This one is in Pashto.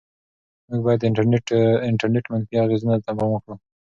موږ باید د انټرنيټ منفي اغېزو ته پام وکړو.